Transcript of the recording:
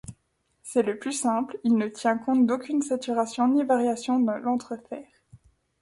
C'est le plus simple, il ne tient compte d'aucune saturation ni variation de l'entrefer.